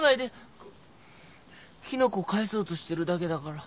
きのこを返そうとしてるだけだから。